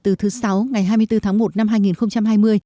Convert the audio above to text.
từ thứ sáu ngày hai mươi bốn tháng một năm hai nghìn hai mươi